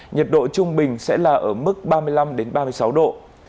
nhiệt độ trung bình sẽ là ở mức ba mươi năm ba mươi sáu độ